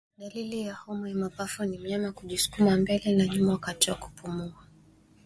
Dalili ya homa ya mapafu ni mnyama kujisukuma mbele na nyuma wakati wa kupumua